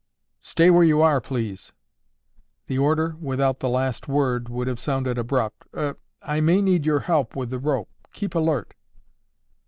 "Stay where you are, please." The order, without the last word, would have sounded abrupt. "Er—I may need your help with the rope. Keep alert."